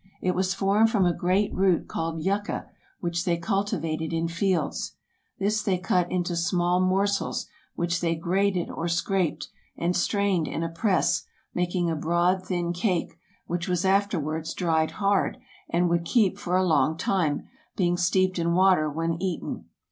It was formed from a great root called yuca, which they culti vated in fields. This they cut into small morsels, which they grated or scraped, and strained in a press, making a broad thin cake, which was afterwards dried hard, and would keep, for a long time, being steeped in water when eaten.